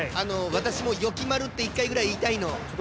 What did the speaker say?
わたしも「よきまる」って１かいぐらい言いたいの。